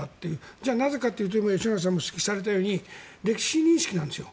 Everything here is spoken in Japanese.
じゃあなぜかというと今、吉永さんも指摘されたように歴史認識なんですよ。